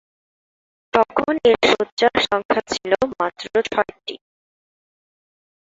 তখন এর শয্যার সংখ্যা ছিল মাত্র ছয়টি।